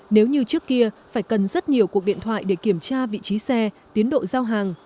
nếu như trước kia phải cần rất nhiều cuộc điện thoại để kiểm tra vị trí xe tiến độ giao hàng